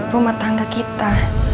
rumah tangga kita